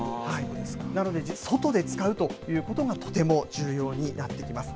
なので、外で使うということがとても重要になってきます。